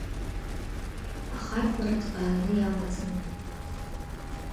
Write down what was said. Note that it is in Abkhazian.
Ахархәара ҭбааны иамаӡам…